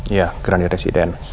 iya grandi residen